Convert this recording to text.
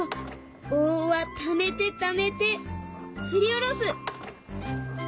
棒はためてためて振り下ろす！